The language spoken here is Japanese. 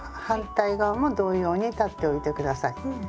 反対側も同様に裁っておいてください。